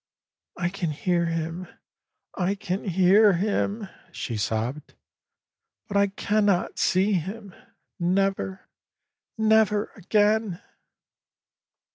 "1 can hear him, I can hear him," she sobbed; "but I cannot see him. Never, never again."